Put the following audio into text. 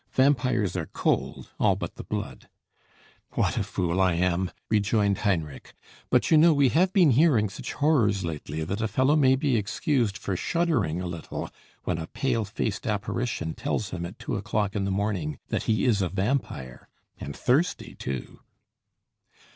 "Vampires are cold, all but the blood." "What a fool I am!" rejoined Heinrich. "But you know we have been hearing such horrors lately that a fellow may be excused for shuddering a little when a pale faced apparition tells him at two o'clock in the morning that he is a vampire, and thirsty, too."